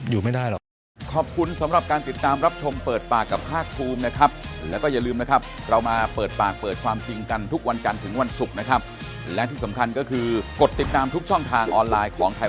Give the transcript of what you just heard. อย่างนี้มันอยู่ไม่ได้หรอก